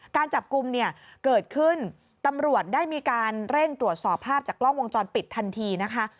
การจับกลุ่มเนี่ยเกิดขึ้นตำรวจได้มีการเร่งตรวจสอบภาพจากกล้องวงจรปิดทันทีนะคะ